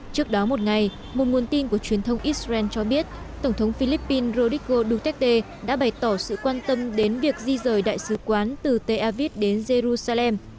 trước đó một ngày một nguồn tin của truyền thông israel cho biết tổng thống philippines rodrigo duterte đã bày tỏ sự quan tâm đến việc di rời đại sứ quán từ tevid đến jerusalem